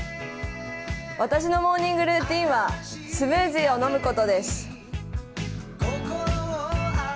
私のモーニングルーチンはスムージーを飲むことです。